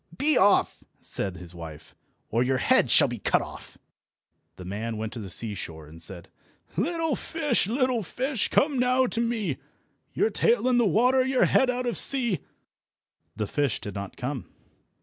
"Be off!" said his wife, "or your head shall be cut off." The man went to the seashore and said— "Little fish, little fish, come now to me, Your tail in the water, your head out of sea!" The fish did not come.